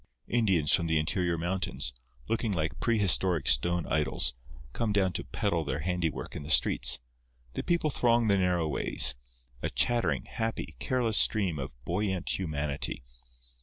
Indians from the interior mountains, looking like prehistoric stone idols, come down to peddle their handiwork in the streets. The people throng the narrow ways, a chattering, happy, careless stream of buoyant humanity.